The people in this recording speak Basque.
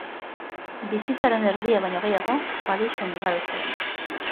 Bizitzaren erdia baino gehiago Parisen igaro zuen.